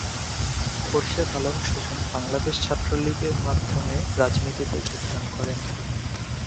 খোরশেদ আলম সুজন বাংলাদেশ ছাত্রলীগের মাধ্যমে রাজনীতিতে যোগদান করেন।